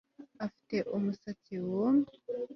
Afite umusatsi wumye